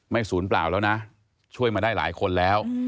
ศูนย์เปล่าแล้วนะช่วยมาได้หลายคนแล้ว